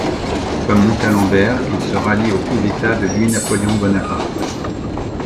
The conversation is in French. Comme Montalembert, il se rallie au coup d'état de Louis-Napoléon Bonaparte.